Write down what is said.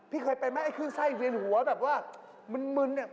เคยเป็นไหมไอ้ขึ้นไส้เวียนหัวแบบว่ามึนเนี่ย